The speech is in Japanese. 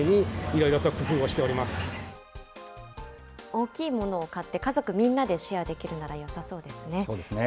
大きいものを買って、家族みんなでシェアできるならよさそうですね。